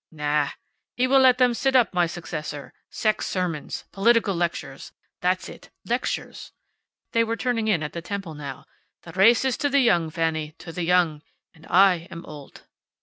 Na, he will make them sit up, my successor. Sex sermons! Political lectures. That's it. Lectures." They were turning in at the temple now. "The race is to the young, Fanny. To the young. And I am old."